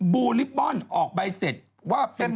บูลิปบอลออกใบเสร็จว่าเป็น